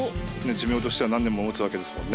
寿命としては何年も持つわけですもんね。